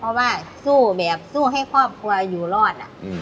เพราะว่าสู้แบบสู้ให้ครอบครัวอยู่รอด